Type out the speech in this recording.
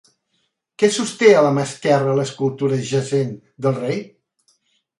Què sosté a la mà esquerra l'escultura jacent del rei?